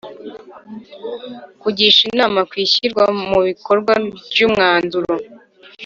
Kugisha inama ku ishyirwa mu bikorwa ry umwanzuro